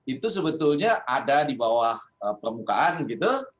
itu sebetulnya ada di bawah permukaan gitu